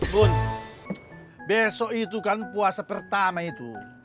bun besok itu kan puasa pertama itu